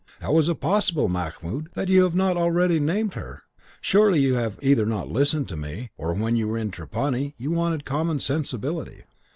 How is it possible, Mahmoud, that you have not already named her? Surely you have either not listened to me, or when you were in Trapani you wanted common sensibility."